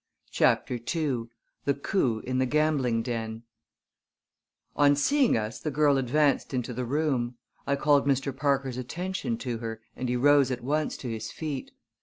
CHAPTER II THE COUP IN THE GAMBLING DEN On seeing us the girl advanced into the room. I called Mr. Parker's attention to her and he rose at once to his feet.